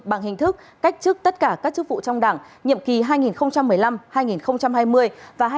bằng hình thức cách chức tất cả các chức vụ trong đảng nhiệm kỳ hai nghìn một mươi năm hai nghìn hai mươi và hai nghìn hai mươi hai nghìn hai mươi